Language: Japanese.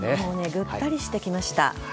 ぐったりしてきました。